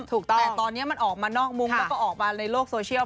ถูกต้องแต่ตอนนี้มันออกมานอกมุ้งแล้วก็ออกมาในโลกโซเชียล